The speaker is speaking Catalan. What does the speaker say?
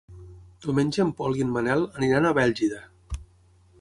Diumenge en Pol i en Manel aniran a Bèlgida.